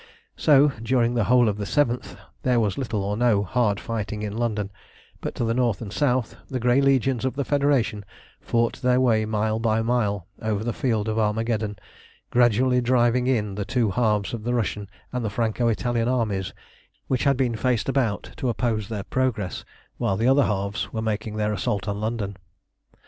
So, during the whole of the 7th there was little or no hard fighting in London, but to the north and south the grey legions of the Federation fought their way mile by mile over the field of Armageddon, gradually driving in the two halves of the Russian and the Franco Italian armies which had been faced about to oppose their progress while the other halves were making their assault on London.